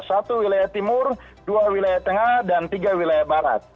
satu wilayah timur dua wilayah tengah dan tiga wilayah barat